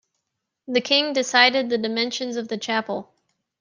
The King decided the dimensions of the Chapel.